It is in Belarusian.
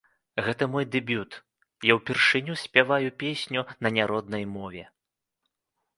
Гэта мой дэбют, я ўпершыню спяваю песню на няроднай мове.